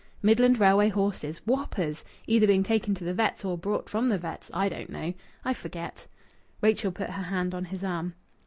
Midland Railway horses. Whoppers. Either being taken to the vets' or brought from the vet's I don't know. I forget." Rachel put her hand on his arm.